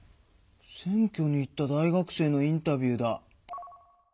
選挙に行った大学生のインタビューだ。